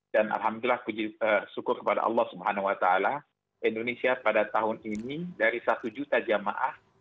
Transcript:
dan alhamdulillah syukur kepada allah swt indonesia pada tahun ini dari satu juta jemaah